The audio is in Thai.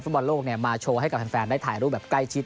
บอลโลกมาโชว์ให้กับแฟนได้ถ่ายรูปแบบใกล้ชิด